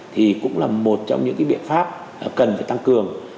thì cũng là một trong những cái biện pháp cần phải tập trung